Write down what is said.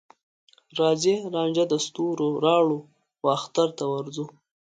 راځې رانجه د ستوروراوړو، واخترته ورځو